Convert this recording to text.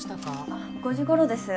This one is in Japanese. あっ５時頃です。